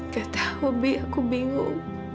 gak tahu bi aku bingung